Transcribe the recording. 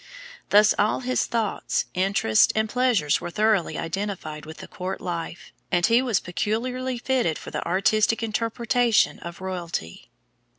Thus all his thoughts, interests, and pleasures were thoroughly identified with the court life, and he was peculiarly fitted for the artistic interpretation of royalty.